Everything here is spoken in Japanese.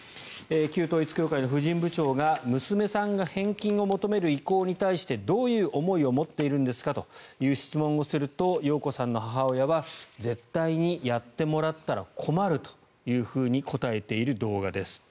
旧統一教会の婦人部長が娘さんが返金を求める意向に対してどういう思いを持っているんですかという質問をすると容子さんの母親は絶対にやってもらったら困るというふうに答えている動画です。